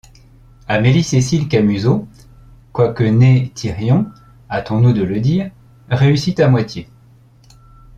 Amélie-Cécile Camusot, quoique née Thirion, hâtons-nous de le dire, réussit à moitié.